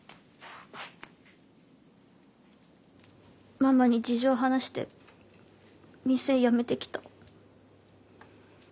ママに事情を話して店辞めてきた。